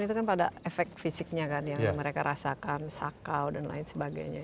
itu kan pada efek fisiknya kan yang mereka rasakan sakau dan lain sebagainya